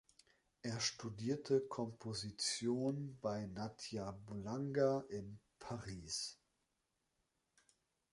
Er studierte Komposition bei Nadia Boulanger in Paris.